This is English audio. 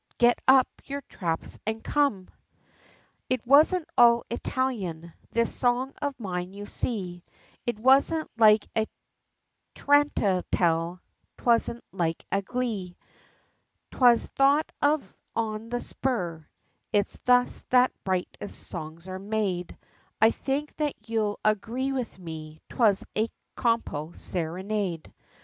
Get up your traps, and come!" It wasn't all Italian, this song of mine you see, It wasn't like a tarantelle; 'twasn't like a glee, 'Twas thought of on the spur, its thus that brightest songs are made, I think that you'll agree with me, 'twas a compo serenade.